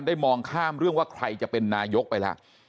มองข้ามเรื่องว่าใครจะเป็นนายกไปแล้ว